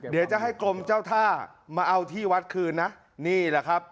เดี๋ยวจะให้กรมเจ้าท่ามาเอาที่วัดคืนนะนี่แหละครับ